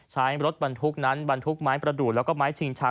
ใช้รถบรรทุกนั้นบรรทุกไม้ประดูดแล้วก็ไม้ชิงชา